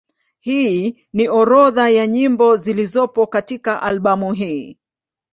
Hii ni orodha ya nyimbo zilizopo katika albamu hii.